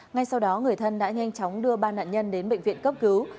ngay sau đó người thân đã nhanh chóng đưa ba nạn nhân đến bệnh viện cấp cứu